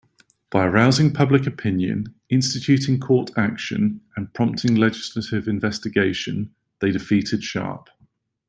By arousing public opinion, instituting court action, and prompting legislative investigation, they defeated Sharp.